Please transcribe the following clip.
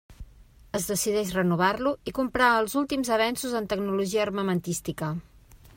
Es decideix renovar-lo i comprar els últims avenços en tecnologia armamentística.